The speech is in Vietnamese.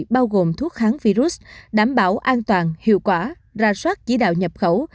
bao gồm thuốc kháng virus đảm bảo an toàn hiệu quả ra soát chỉ đạo nhập khẩu